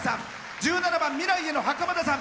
１７番「未来へ」のはかまださん。